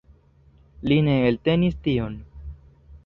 Li ne eltenis tion.